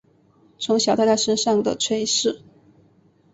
从小带在身上的垂饰